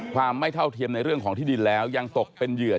ความไม่เท่าเทียมในเรื่องของที่ดินแล้วยังตกเป็นเหยื่อ